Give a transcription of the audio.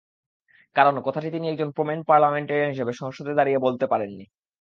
কারণ, কথাটি তিনি একজন প্রবীণ পার্লামেন্টারিয়ান হিসেবে সংসদে দাঁড়িয়ে বলতে পারেননি।